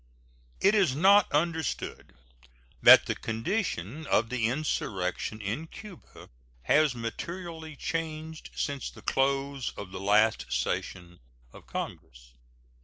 It is not understood that the condition of the insurrection in Cuba has materially changed since the close of the last session of Congress.